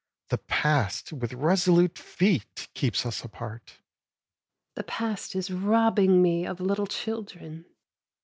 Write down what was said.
The past with resolute feet keeps us apart. SHE : The past is robbing me of little children.